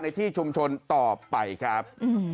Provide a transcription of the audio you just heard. ในที่ชุมชนต่อไปครับ